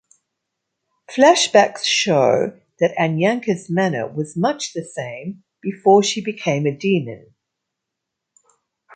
Flashbacks show that Anyanka's manner was much the same before she became a demon.